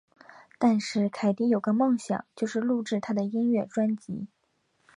但是凯蒂有个梦想就是录制她的音乐专辑。